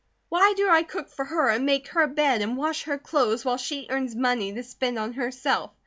Why do I cook for her, and make her bed, and wash her clothes, while she earns money to spend on herself?